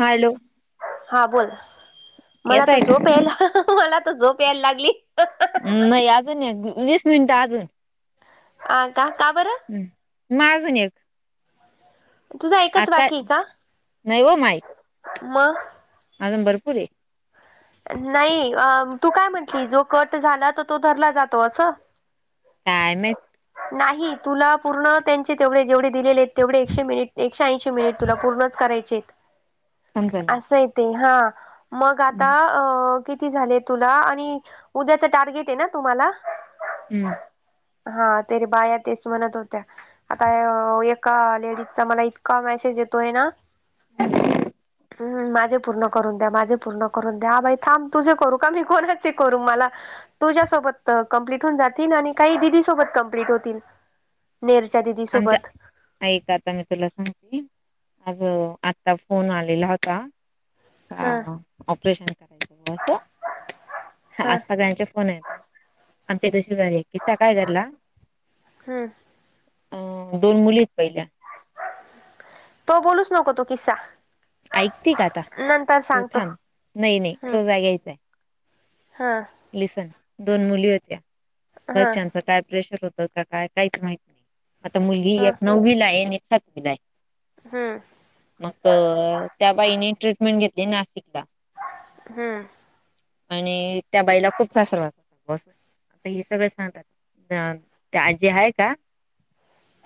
हा हॅलो. हा बोलोल मला त येतय का झोप यायला मला तर झोप यायला लागली. नाही अजून वीस मिनिटं अजून अ का का बरं. ् माझून एक. तुझा एकच आता नव माईक. म. अजम भरपूर. नाही तू काय म्हंटली जो कट झाला तर तो धरला जातो असं. कायमच. नाही तुला पूर्ण त्यांचे तेवढे जेवढे. दिलेले आहेत तेवढे एकशे मिनिट एकशे ऐशी मिनिट तुला पूर्णच करायचेत. [unintelligible] ते हा मग आता हम्. अ किती झाले तुला आणि उद्याच टार्गेट आहे ना तुम्हाला हम्म. हा तरी बाया तेच म्हणत होत्या आता का लेडीज चा मला इतका मेसेज येतोय ना. ह. ह माझे पूर्ण करून द्या माझे पूर्ण करून द्या बाई थांब तुझे करू का मी कोणाचे करू मला तुझ्यासोबत कंप्लीट होऊन जातील आणि काही दिदी सोबत कंप्लीट होतील. नेरच्या दिदी सोबत ऐ का आता मी तुला सांगली अ आता फोन आलेला होता. ह हा ऑपरेशन करायचं असं. हा आज सगळ्यांचे फोन येतात आमच्या तशी झा किस्सा काय झारला. हम. अ दोन मुली आहेत पहिल्या. तो बोलूच नको तो किस्सा ऐकते का आता. नंतर तू सांगतो थांब. नाही नाही हम्म तुझा घ्यायचा आहे. हा लिसन दोन मुली होत्या. हा घरच्यांच काय प्रेशर होत का काय काहीच माहत नाही. आता मुलगी हा एक नववीला आहे. आणि एक सातवीला आहे. हा मग त्या बाईने ट्रीटमेंट घेतली नाशिकला. हम्म आणि त्या बाईला खूप सासरवास अस हे सगळं सांगतात. त्या आजी आहे का?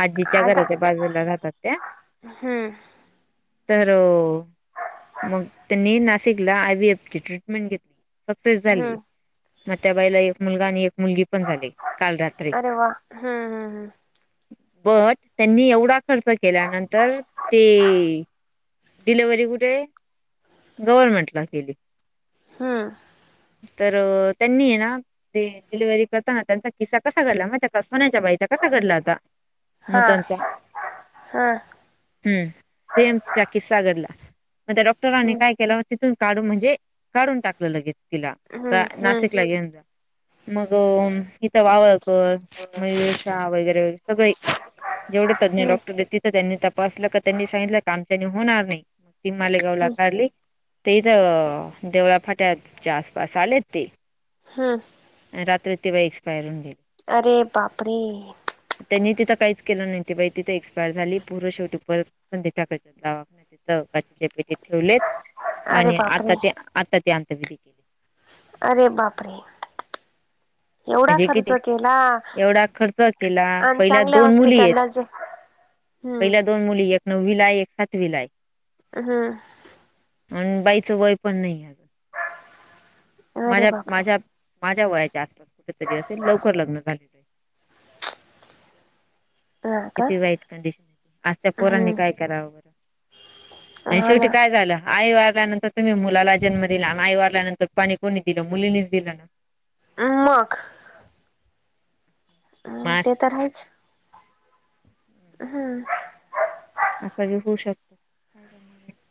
आजीच्या आगा घराच्या बाजूला राहातात त्या. हम्म तर मग त्यांनी नाशिकला आय बीएफ ची ट्रीटमेंट घेतली. फक्त हम्म मग त्या बाईला एक मुलगा आणि एक मुलगी पण झाली काल रात्री. अरे वा हम्म हम्म हम्म बट त्यांनी एवढा खर्च केल्यानंतर ते डिलव्हरी कुठे गव्हर्मेंटला केली. हम्म तर त्यांनी आहे ना ते डिलिव्हरी करताना त्यांचा किस्सा कसा घडला माहिती आहे का? त्या सोन्याच्या बाईचा कसा घडला होता हा नूतनचा हा हम्म सेम तिचा किस्सा घडला. मग त्या डॉक्टरांनी हम्म काय केल तिथून काढून म्हणजे काढून टाकल लगेच तिला. हम्म हम्म नाशिकला येेऊन जा मग इथ वावळ कर मयुर शा वगैरे वगैरे सगळे. जेवढे तज्ञ हम्म डॉक्टर आहे त्यांनी तपासल का त्यांनी सांगितल का आमच्यानी होणार नाही. ती मालेगावला हम्म काढली. ते इथ देवळा फाट्याच्या आसपास आले ते. हम्म रात्री ती बाई एक्स्पायर होऊन गेली. अरे बाप रे! त्यांनी तिथ काहीच केल नाही. ती बाई तिथ एक्सपायर झाली. पूर्ण शेवटी परत संदीप ठाकरे च्या दवाखान्यात तिथे काचेच्या पेटीत ठेवलेत. अरे आणि आता बापरे ती आमच्या घरी आहे. अरे बापरे. एवढा म्हणजे खर्च किती केला एवढा खर्च केला आणि पहिल्या चांगल्या दोन मुली आहेत हॉस्पिटललाच हम्म पहिल्या दोन मुली एक नववीला आहे. एक सातवीला आहे. हम्म आणि बाईच वय पण नाही. अरे माझ्या बापरे माझ्या माझ्या वयाच्या आसपास कुठेतरी असेल. लवकर लग्न झाल. [inaudible] का किती वाईट कंडिशन. आज त्या पोरांनी हम्म काय कराव. आणि हा शेवटी ना काय झाल. आई वारल्यानंतर तुम्ही मुलाला जन्म दिला. आई वारल्यानंतर पाणी कोणी दिलं मुलीनीच दिलं ना. मग अ मग ते आज तर आहेच. हम्म अस जे होऊ शकतो. [inaudible]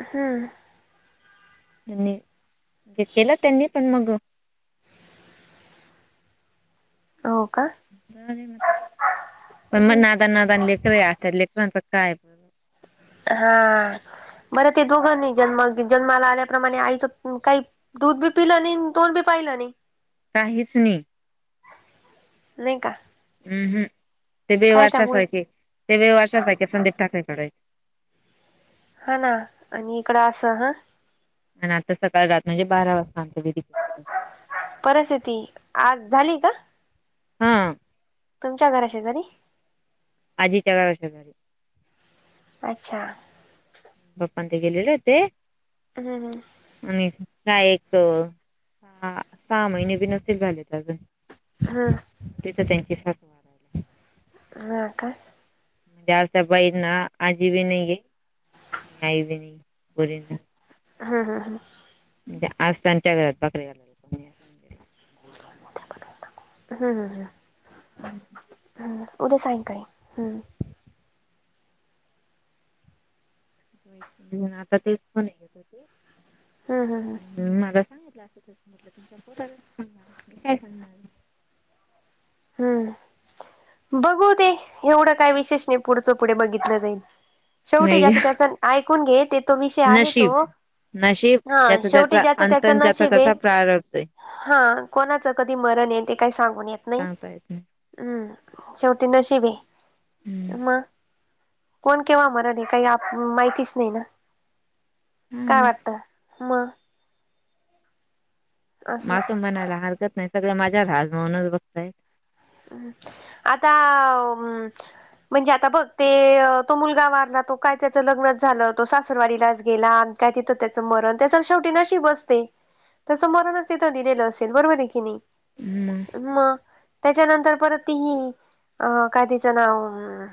हम्म त्यांनी हे केल त्यांनी‌. पण मग हो का पण मग नादान नादान लेकर आहेत. आज त्या लेकरांच काय? हा बरं ते, दोघानी जन्म जन्माला आल्याप्रमाणे आईच काही दूध बी पिलं नाही आणि तोड बी पाहिलं नाही. काहीच नाही. नाही का? हम्म हम् ते काय बेवारशा त्यामुळे सारखे, ते बेवारशा सारखे [unintelligible] ठाकायचे हा ना आणि इकडं असं हं. आणि आता सकाळ रात म्हणजे बारा वाजता अंत्यविधी परस्थती आज झाली का? हा. तुमच्या घरा शेजारी आजीच्या घराशेजारी अच्छा. पप्पां न ते गेलेले होते. हू हू. आणि काय एक हा सहा महिने बी नसेल झालेत. हुं. तिथं त्यांची सासू वारायला हा का? त्या आता बाई ना आजी बी नाही घे, आई बी नाही पोरींना हा हां हां. मंजे आज त्यांच्या घरात भाकरी घालाय हू हू ह. [inaudible] हम उद्या सायंकाळी मी पण आता तेच म्हणे हू हू ह. माझा सांगितलं असं म्हटलं, तुझ्या पोरालाच सांगणार, मी काय सांगणार? हुं. बघू ते एवढं काय विशेष नाही? पुढचं पुढे बघितलं जाईल. शेवटी नाही ज्याच त्याच ऐकून घे, ते तो विषय आहे नशीब तो. नशीब हा ज्याचं त्याच, शेवटी ज्याच अंत त्याच ज्याचा नशीब आहे त्याचा, प्रारभद्ध हा कोणाचं कधी मरण येते. काही सांगून येत नाही. काय ते? हम्म शेवटी नशिबए नाही म. कोन केव्हा मरल हे काही माहितीच नाही ना, हा काय मग वाटत म म असं आस म्हनायला हरकत नाही, सगळे माझ्याला हल म्हनुनच बसलय. आता आ म म्हणजे आता बघ ते, तो मुलगा वारला तो काय त्याचं लग्नच झालं, तो सासरवाडीलाच गेला. काय तिथं त्याचं मरण, त्याचा शेवटी नशीबच ते. तसं मरणच तिथ दिलेलं असेल, बरोबर आहे की, नाही. ह म. म. त्याच्यानंतर परत ती ही अ, काय तिचं नाव अ?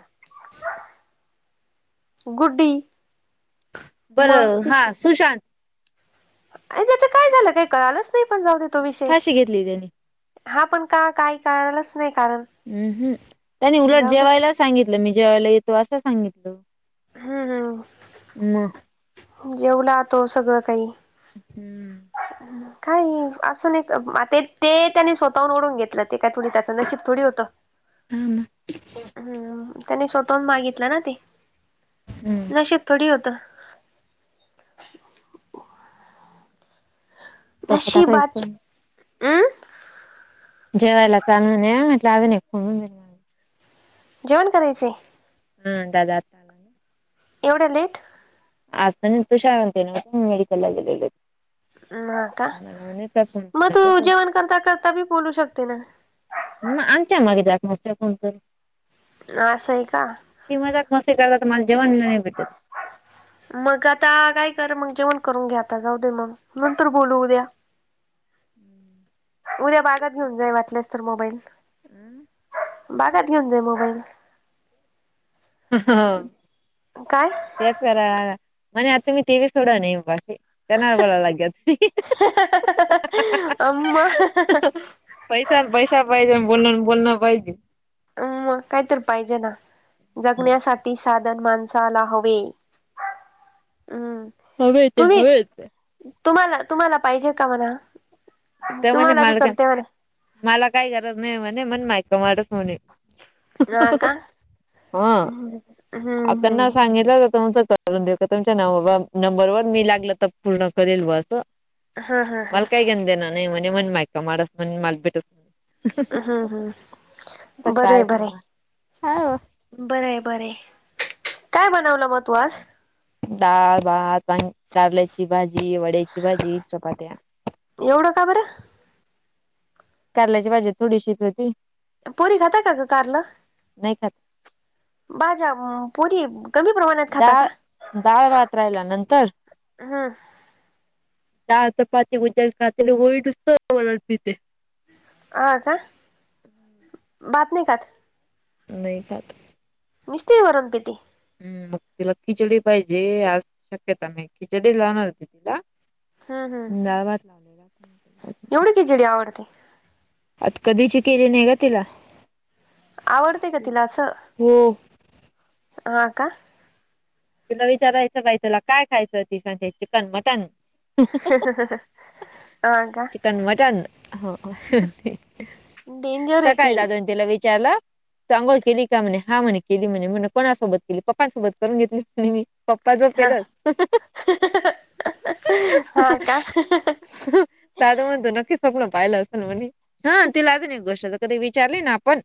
गुड्डी. बर मग हा सुशांत. अ त्याच काय झालं काही कळालच नाही? पण जाऊ दे तो विषय फाशी घेतली त्यानी हा, पण का काही कळालच नाही कारण उ हुं. त्यांनी उलट जाऊ दे जेवायला सांगितलं. मी जेवायला येतो असं सांगितलं. हम्म म. जेवला तो सगळं काही हम्म [inaudible] काही असं नाहीका ते ते त्यानी स्वतःहून ओढून घेतलं ते काय थोडी त्याचं नशीब थोडी होतं. हा ना. हम् त्यांनी स्वतः हुन मागितलं ना ते हम्म नशीब थोडी होतं. तोपता का नशीबाचे पण हमं जेवायला चालू नाही म्हटल अजून एक फोन होऊन जाईल. माझा. जेवण करायचय हम दादा आलता एवढ्या लेट आता [unintelligible] मेडिकलला गेलेले. म आता मला म्हणे तुला फोन म केला तू तर तो जेवण करता करता बी बोलू शकते ना म आमच्या मागे जात नसत कोण कोण ना असं आहे का ती मजात मस्ती करतात माझ जेवण नाही भेटत. मग आता काय कर मग जेवण करून घे आता जाऊ दे मग नंतर बोलू उद्या. उद्या बागात घेऊन जाई वाटल्यास तर मोबाईल बागात घेऊन जाई मोबाईल हो काय तेच करा म्हणे आता मी तेवी सोडा नाही बाकी ते नाय बोलाय लागत. अ पैसा पैसा पाहिजे आणि बोलण बोलण पाहिजे. अ मग काय तर पाहिजे ना जगण्यासाठी साध धन माणसाला हवे हम्म हवेचे तुम्ही हवेचे तुम्हाला तुम्हाला पाहिजे का म्हणा त म्हणे तुम्हाला बी मला काय करते म्हणा मला काही गरज नाही म्हणे म्हण मायक मार होणे हा का हम्म ह हम्म त्याना हम्म सांगितलं जात [unintelligible] करून देतो तुमच्या नवर नंबरवर मी लागलं तर पूर्ण करेल व असं हा हा हा मल काय घेणं देणं नाही म्हणे मण माय का म माल पिट हम्म आता हम्म बरंय काय बरंय सांगा हो बरंय बरंय काय बनवलं मग तू आज डाळ भात कारल्याची भाजी वड्याची भाजी चपट्या एवढं का बरं कारल्याची भाजी थोडीशीच होती. पोरी खाता का ग कारला नाही खात. भाजा व पुरी व डाळं डाळ भात राहिला नंतर हम्म डाळ चपाती [unintelligible] पिते. हा का भात नाही खात नाही खात नुसती वरण पिती हम् मग तिला खिचडी पाहिजे आज शक्यता मी खिचडी लावणार होती तिला हम् हम डाळ भात लावला. एवढी खिचडी आवडते. आत कधीची केली नाही ग तिला. आवडते का तिला असं हो हा का तिला विचारायचं बाई तुला काय खायचं ति सांगते चिकन मटन [inaudible] का चिकन मटन हो ते. डेंजर स आहे ती कायतदादाने तिला विचारले. चांगोळ केली का म्हणे हा म्हणे केली म्हणे म्ह कोणासोबत केली पप्पांसोबत करून घेतली म्हणे मी पप्पा हा झॊपलेलत. हा का दादा म्हणतो नक्कीच स्वप्न पाहिलं असेल म्हणली हा तीला ना अजून एक गोष्ट कधी विचारली ना आपण.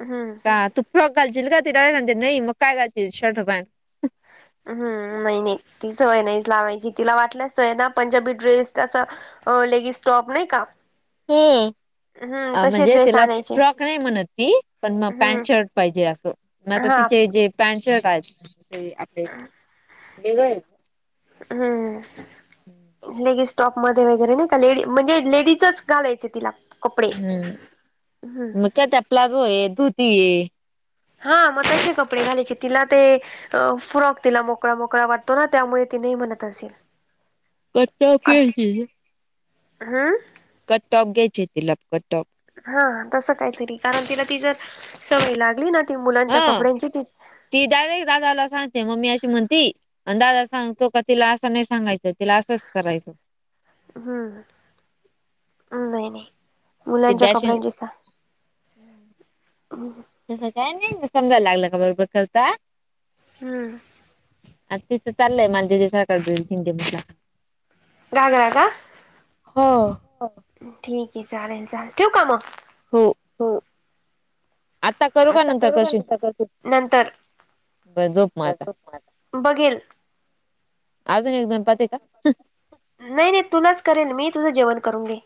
हम्म. का तु फ्रॉक घालतीलील का त न नाही मग काय घालतील शर्ट पॅट. हम्म महिने ती सवय नाही लावायची. तिला वाटलंच नाही ना पंजाबी ड्रेस तसं अ लेगीस टॉप नाही का? हो अ. हम्म अ तसे म्हणजे ड्रेस तिला आणायचे फ्रॉक नाही म्हणत ती पण मग हम्म पॅन्ट शर्ट पाहिजे असं. आता हा तिचे जे पॅट शर्ट आहेत ते आपलेे देवर हां हो गेस टॉप मध्ये वगैरे नाही का लेडी म्हणजे लेडीजच घालायचयं तिला. कपडे हम्म मग ते प्लाझोयं धुती ये हा मग तसे कपडे घालायचे तिला ते अ फ्रॉक तिला मोकळा मोकळा वाटतो ना त्यामुळे ती नेही म्हणत असेल. कटं पीचींयं हां. कटॉप घ्यायचे तिला कटटॉप. हा तसं काहीतरी कारण तिला ती जर सवय लागली ना. ती मुलांच्या हं कपड्यांची ती ती डायरेक्ट दादाला सांगते मम्मी अशी म्हणती. आणि दादा सांगतो का तिला असं नाही सांगायचं तिला असंच करायचं. हम्म ह नाही नाही. ती मुलांच्या डॅशिंग कपड्यांचे स हो तसं काय नाही समजायला लागलं का बरोबर करता. हम्म. आ तिथं चालययं माझं सकाईल शिंदे [unintelligible] जाणार का हो. हो ठीक आहे चालेल चालेल ठेऊ का म हो. हं. आता करू का नंतर करू नंतर बरं झोप मग आता [unintelligible] बघिल अजून एकदम पते का? नाही नाही तुलाच करेन मी तुझं जेवण करून घे.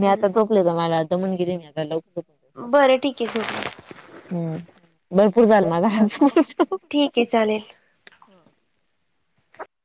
मी आता हम्म झोपले [unintelligible] आता लवकर बरं ठीक आहे झोप हम्म भरपूर झालं मला ओके चालेल.